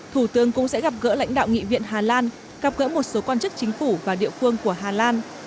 thủ tướng cũng sẽ gặp gỡ lãnh đạo nghị viện hà lan gặp gỡ một số quan chức chính phủ và địa phương của hà lan